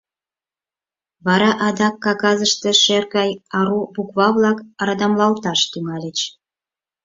Вара адак кагазыште шер гай ару буква-влак радамлалташ тӱҥальыч.